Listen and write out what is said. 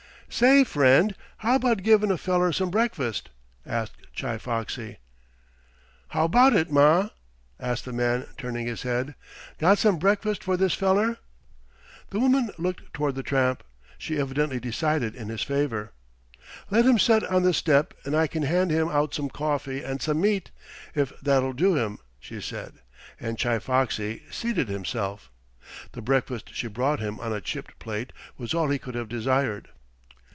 "Say, friend, how about givin' a feller some breakfast?" asked Chi Foxy. "How 'bout it, ma?" asked the man, turning his head. "Got some breakfast for this feller?" The woman looked toward the tramp. She evidently decided in his favor. "Let him set on the step and I kin hand him out some coffee and some meat, if that'll do him," she said, and Chi Foxy seated himself. The breakfast she brought him on a chipped plate was all he could have desired.